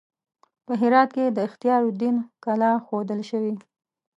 په هرات کې د اختیار الدین کلا ښودل شوې.